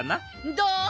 どう？